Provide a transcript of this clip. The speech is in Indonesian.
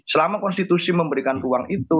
selama konstitusi memberikan ruang itu